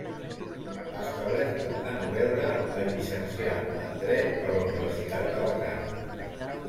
Establerta a Novelda, es llicencià en dret per la Universitat d'Alacant.